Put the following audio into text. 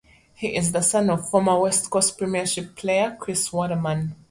He is the son of former West Coast Premiership player Chris Waterman.